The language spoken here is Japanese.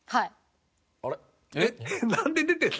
なんで出てるの？